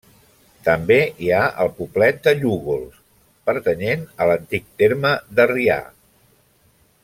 També hi ha el poblet de Llúgols, pertanyent a l'antic terme de Rià.